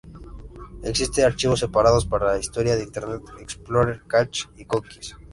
Existen archivos separados para historial de Internet Explorer, cache y cookies.